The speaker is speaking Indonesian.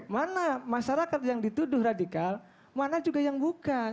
mana masyarakat yang dituduh radikal mana juga yang bukan